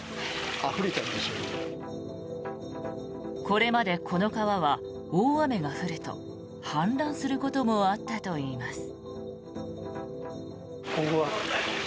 これまでこの川は大雨が降ると氾濫することもあったといいます。